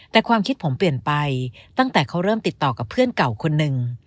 แต่ความคิดผมเปลี่ยนไปตั้งแต่เขาเริ่มติดต่อกับเพื่อนเก่าคนหนึ่ง